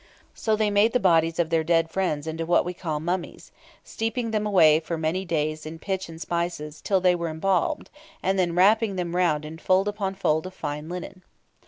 So they made the bodies of their dead friends into what we call "mummies," steeping them for many days in pitch and spices till they were embalmed, and then wrapping them round in fold upon fold of fine linen.